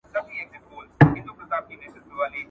ژوند د نېکو اعمالو د ترسره کولو فرصت دی.